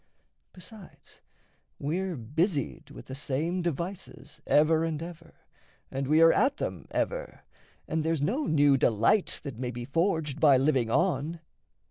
Besides we're busied with the same devices, Ever and ever, and we are at them ever, And there's no new delight that may be forged By living on.